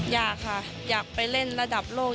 อยากค่ะอยากไปเล่นระดับโลก